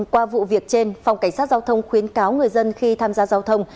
qua vụ việc trên phòng cảnh sát giao thông khuyến cáo người dân khi tham gia giao thông